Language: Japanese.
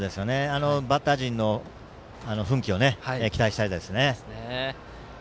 バッター陣の奮起を期待したいですね。